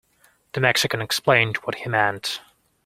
The Mexican explained what he meant.